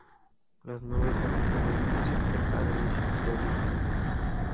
Las nubes son diferentes entre cada hemisferio.